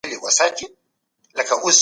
تاسي باید د سګرټو له دود څخه لري اوسئ.